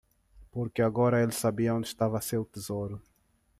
Porque agora ele sabia onde estava seu tesouro.